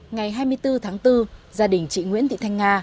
ngày hai mươi bốn tháng bốn gia đình chị nguyễn thị thanh nga